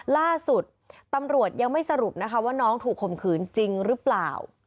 ล่าสุดตำรวจยังไม่สรุปนะคะว่าน้องถูกข่มขืนจริงหรือเปล่า